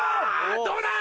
どうだ！